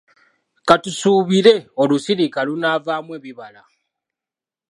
Ka tusuubire olusirika lunaavaamu ebibala.